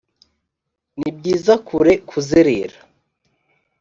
nibyiza kure kuzerera,